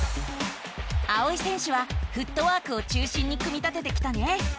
あおい選手はフットワークを中心に組み立ててきたね。